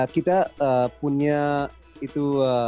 kita punya itu